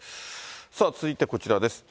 さあ続いてこちらです。